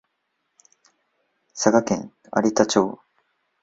佐賀県有田町